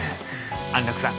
安楽さん